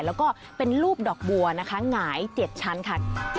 แล้วก็เป็นรูปดอกบัวนะคะหงาย๗ชั้นค่ะ